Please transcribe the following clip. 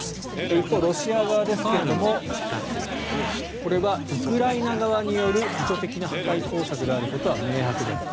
一方、ロシア側ですがこれはウクライナ側による意図的な破壊工作であることは明白である